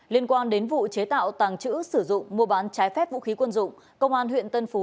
liên quan đến vụ chế tạo tàng trữ sử dụng mua bán trái phép vũ khí quân dụng công an huyện tân phú